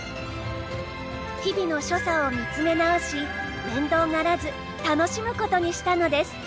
日々の所作を見つめ直し面倒がらず楽しむことにしたのです。